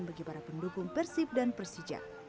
bagi para pendukung persib dan persija